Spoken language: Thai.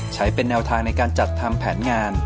ใช้เป็นแนวทางในการจัดทำแผนงาน